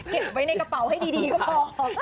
เก็บไว้ในกระเป๋าให้ดีก็พอ